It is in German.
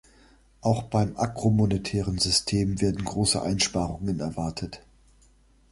Auch beim agromonetären System werden große Einsparungen erwartet.